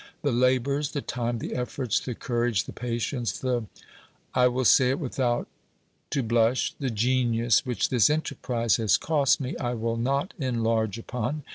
The labours, the time, the efforts, the courage, the patience, the I will say it without to blush the genius which this enterprise has cost me, I will not enlarge upon.